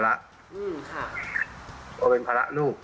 แล้วเป็นภาระลูก